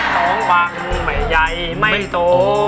สองบังไม่ใหญ่ไม่โต